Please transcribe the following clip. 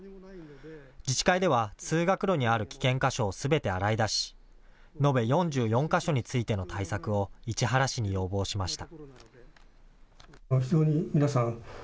自治会では通学路にある危険箇所をすべて洗い出し延べ４４か所についての対策を市原市に要望しました。